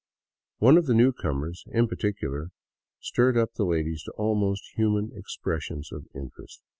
One of the newcomers, in particular, stirred up the ladies to almost human expressions of interest.